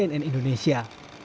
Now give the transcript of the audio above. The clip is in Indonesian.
tim liputan cnn indonesia